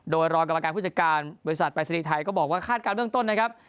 โดยรองกรรมการผู้จัดการบริษัทปรายศนีย์ไทยก็บอกว่าคาดการณเบื้องต้นนะครับ